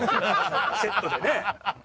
セットでね。